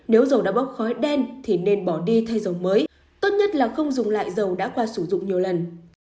nếu dầu đã bốc khói đen thì nên bỏ đi thay dầu mới tốt nhất là không dùng lại dầu đã qua sử dụng nhiều lần